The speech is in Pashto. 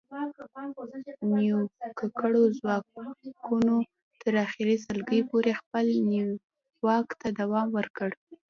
نیواکګرو ځواکونو تر اخري سلګۍ پورې خپل نیواک ته دوام ورکړ